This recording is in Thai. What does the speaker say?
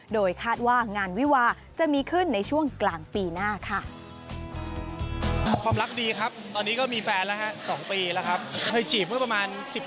โดยคาดว่างานวิวาจะมีขึ้นในช่วงกลางปีหน้าค่ะ